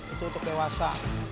itu untuk dewasa